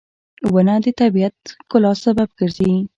• ونه د طبیعت د ښکلا سبب ګرځي.